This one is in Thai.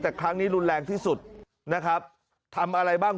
แต่ครั้งนี้รุนแรงที่สุดนะครับทำอะไรบ้าง